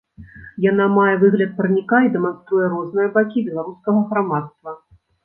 Яна мае выгляд парніка і дэманструе розныя бакі беларускага грамадства.